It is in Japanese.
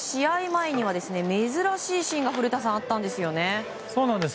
前には珍しいシーンが古田さん、あったんですよね。